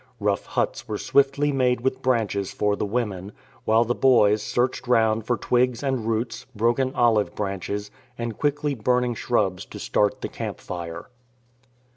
Rough huts were swiftly made with branches for the women; while the boys searched round for twigs and roots, broken olive branches, and quickly burning shrubs to start the camp fire.